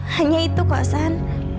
hanya itu kok san